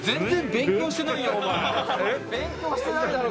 勉強してないだろ！